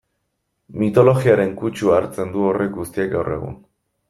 Mitologiaren kutsua hartzen du horrek guztiak gaur egun...